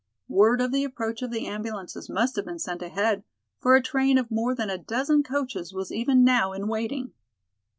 Word of the approach of the ambulances must have been sent ahead, for a train of more than a dozen coaches was even now in waiting.